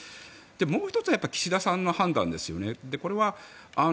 もう１つは岸田さんの判断ですよね。